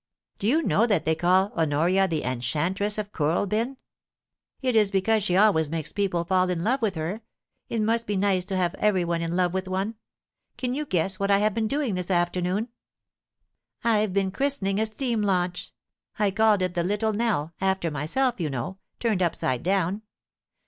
Do you know that they call Honoria the " Enchantress of Kooralbyn ?'^ It is because she always makes people fall in love with her — it must be nice to have everyone in love with one ... Can you guess what I have been doing this afternoon ? I've Jlf/SS LONGLEAT AT THE BUN Y AS. 229 been christening a steam launch : I called it the Little Nell — after myself, you know, turned upside down.